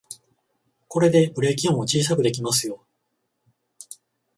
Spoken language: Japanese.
これでブレーキ音を小さくできますよ